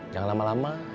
jangan lama lama ya